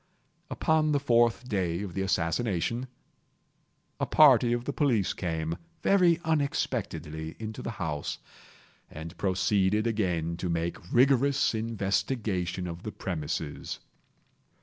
Upon the fourth day of the assassination, a party of the police came, very unexpectedly, into the house, and proceeded again to make rigorous investigation of the premises.